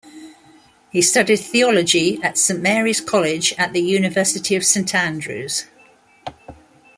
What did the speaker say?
He studied Theology at Saint Marys College at the University of Saint Andrews.